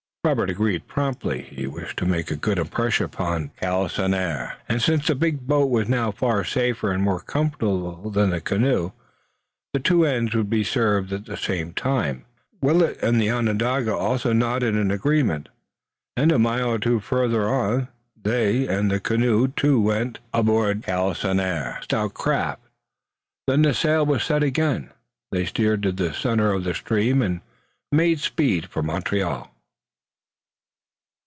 Robert agreed promptly. He wished to make a good impression upon de Galisonnière, and, since the big boat was now far safer and more comfortable than the canoe, two ends would be served at the same time. Willet and the Onondaga also nodded in acquiescence, and a mile or two farther on they and the canoe too went aboard de Galisonnière's stout craft. Then the sail was set again, they steered to the center of the stream and made speed for Montreal.